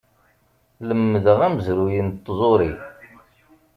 Lemmdeɣ amezruy n tẓuṛi.